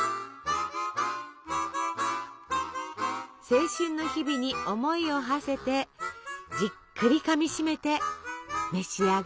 青春の日々に思いをはせてじっくりかみしめて召し上がれ。